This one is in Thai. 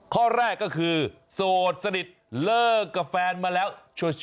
ข้อแรกก็คือโสดสนิทเลิกกับแฟนมาแล้ว